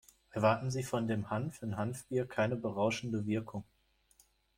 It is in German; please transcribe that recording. Erwarten Sie von dem Hanf im Hanfbier keine berauschende Wirkung.